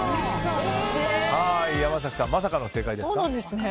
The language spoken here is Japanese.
山崎さん、まさかの正解ですか。